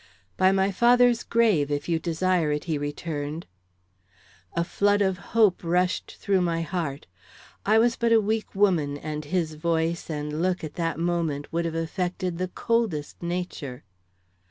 "By my father's grave, if you desire it," he returned. A flood of hope rushed through my heart. I was but a weak woman, and his voice and look at that moment would have affected the coldest nature.